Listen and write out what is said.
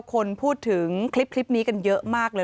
คนพูดถึงคลิปนี้กันเยอะมากเลย